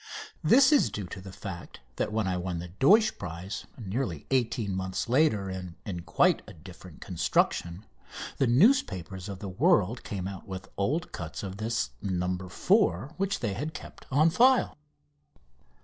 This is due to the fact that when I won the Deutsch prize, nearly eighteen months later and in quite a different construction, the newspapers of the world came out with old cuts of this "No. 4," which they had kept on file.